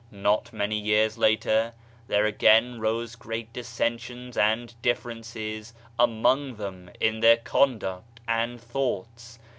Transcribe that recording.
Not many yean later, there again rose great dissensions and differences among them in their conduct and thoughts.